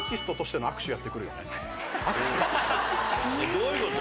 どういうこと？